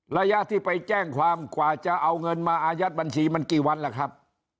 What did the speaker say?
ระยะที่ไปแจ้งความกว่าจะเอาเงินมาอายัดบัญชีมันกี่วันล่ะครับ